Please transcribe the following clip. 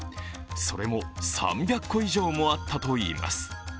それも３００個以上もあったといいます。